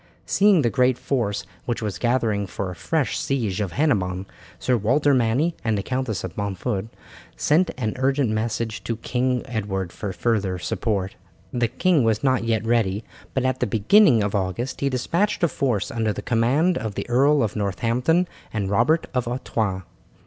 Seeing the great force which was gathering for a fresh siege of Hennebon, Sir Walter Manny and the Countess of Montford sent an urgent message to King Edward for further support. The king was not yet ready, but at the beginning of August he despatched a force under the command of the Earl of Northampton and Robert of Artois.